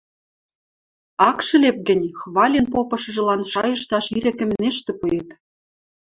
Ак шӹлеп гӹнь, хвален попышыжылан шайышташ ирӹкӹм ӹнештӹ пуэп